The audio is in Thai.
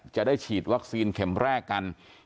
จะได้ฉีดวัคซีนเข็มแรกกัน